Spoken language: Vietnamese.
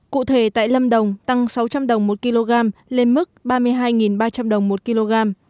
cụ thể tại lâm đồng tăng sáu trăm linh đồng một kg lên mức ba mươi hai ba trăm linh đồng một kg